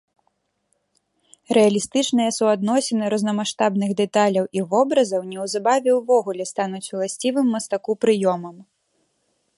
Рэалістычныя суадносіны рознамаштабных дэталяў і вобразаў неўзабаве ўвогуле стануць уласцівым мастаку прыёмам.